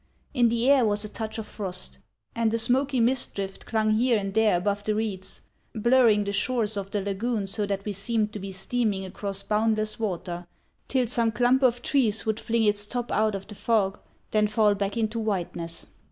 In the air was a touch of frost, and a smoky mist drift clung here and there above the reeds, blurring the shores of the lagoon so that we seemed to be steaming across boundless water, till some clump of trees would fling its top out of the fog, then fall back into whiteness.